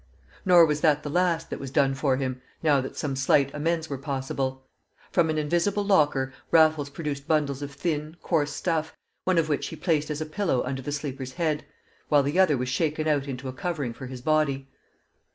Nor was that the last that was done for him, now that some slight amends were possible. From an invisible locker Raffles produced bundles of thin, coarse stuff, one of which he placed as a pillow under the sleeper's head, while the other was shaken out into a covering for his body.